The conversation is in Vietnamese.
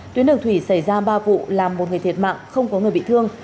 tuyến đường thủy xảy ra ba vụ làm một người thiệt mạng không có người bị thương